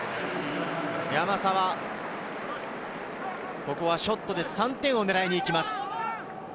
山沢、ショットで３点を狙いにいきます。